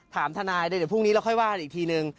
ถามทนายเลยเดี๋ยวพรุ่งนี้เราค่อยว่ากันอีกทีนึง